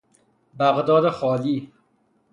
بغداد خالی